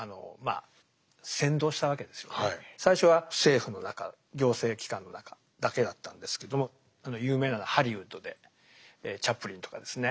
最初は政府の中行政機関の中だけだったんですけども有名なのはハリウッドでチャップリンとかですね